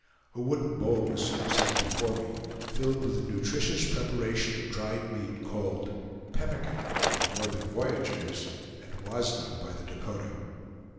A wooden bowl was soon set before me, filled with the nutritious preparation of dried meat called pemmican by the northern voyagers and wasna by the Dakota.